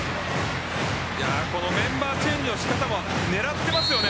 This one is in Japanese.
このメンバーチェンジの仕方も狙ってますよね。